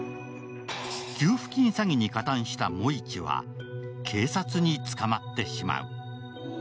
給付金詐欺に加担した茂一は警察に捕まってしまう。